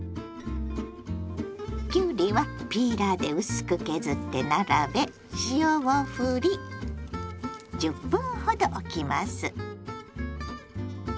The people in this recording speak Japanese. きゅうりはピーラーで薄く削って並べ塩をふり１０分ほどおきます。